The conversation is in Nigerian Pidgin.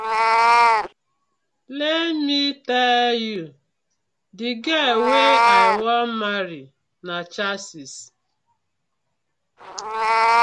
Lemme teeh yu, de girl wey I wan marry na chasis.